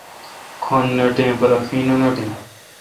کھن نوٹیں پرہ خیں نہ نوٹیں۔